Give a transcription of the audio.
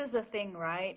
ini adalah hal kan